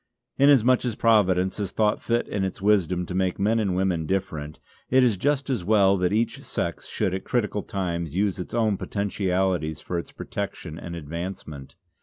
Inasmuch as Providence has thought fit in its wisdom to make men and women different, it is just as well that each sex should at critical times use its own potentialities for its protection and advancement.